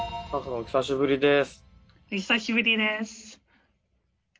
お久しぶりです。